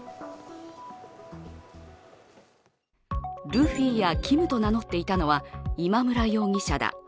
ルフィやＫｉｍと名乗っていたのは今村容疑者だ。